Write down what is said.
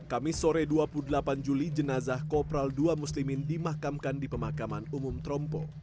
kamis sore dua puluh delapan juli jenazah kopral ii muslimin dimakamkan di pemakaman umum trompo